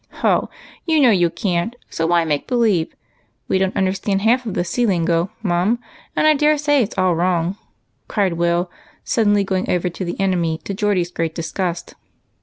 "Ho, you know you can't, so why make believe? We don't understand half of the sea lingo, Mum, and I dare say it 's all wrong," cried Will, suddenly going over to the enemy, to Geordie's great disgust.